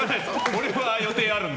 俺は予定あるんで。